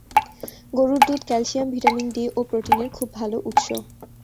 গরুর দুধ calcium, vitamin D ও প্রোটিনের খুব ভালো উৎস।